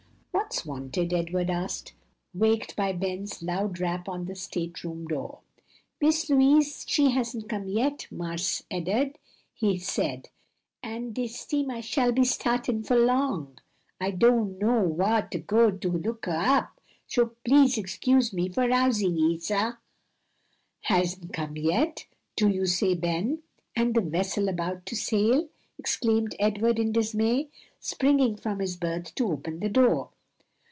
"What's wanted?" Edward asked, waked by Ben's loud rap on the state room door. "Miss Louise she hasn't come yet, Marse Ed'ard," he said, "and de steamah'll be startin' fo' long. I don' know whar to go to look her up, so please excuse me for rousin' ye, sah." "Hasn't come yet, do you say, Ben? and the vessel about to sail?" exclaimed Edward in dismay, springing from his berth to open the door.